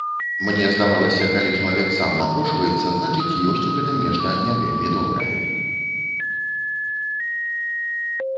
Мне здавалася, калі чалавек сам напрошваецца, значыць, ёсць у гэтым нешта не вельмі добрае.